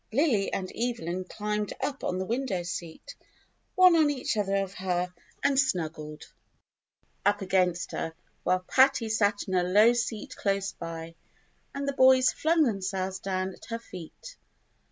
Lily and Evelyn climbed up on the window seat, one on each side of her and snuggled THE LITTLE GAYS 89 up against her, while Patty sat in a low seat close by, and the boys flung themselves down at her feet.